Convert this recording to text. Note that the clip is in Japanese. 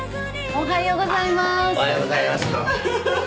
おはようございます。